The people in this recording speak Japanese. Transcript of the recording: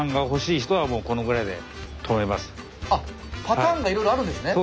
パターンがいろいろあるんですね。